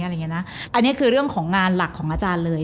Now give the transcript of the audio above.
อันนี้คือเรื่องของงานหลักของอาจารย์เลย